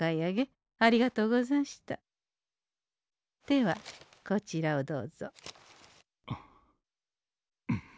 ではこちらをどうぞ。